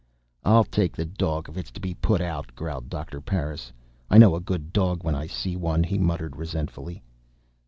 "I'll take the dog, if it's to be put out," growled Doctor Parris. "I know a good dog when I see one," he muttered resentfully.